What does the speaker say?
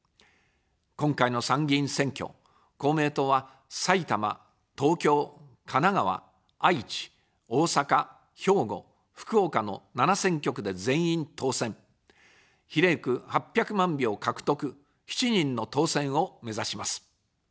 今回の参議院選挙、公明党は、埼玉・東京・神奈川・愛知・大阪・兵庫・福岡の７選挙区で全員当選、比例区８００万票獲得、７人の当選をめざします。